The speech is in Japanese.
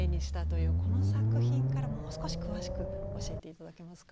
この作品からもう少し詳しく教えて頂けますか？